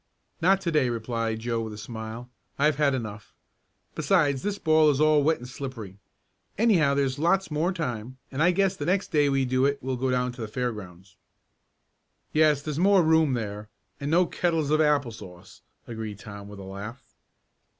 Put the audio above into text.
"Not to day," replied Joe with a smile. "I've had enough. Besides, this ball is all wet and slippery. Anyhow there's lots more time, and I guess the next day we do it we'll go down to the fairgrounds." "Yes, there's more room there, and no kettles of apple sauce," agreed Tom, with a laugh.